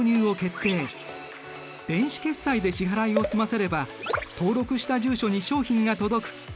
電子決済で支払いを済ませれば登録した住所に商品が届く。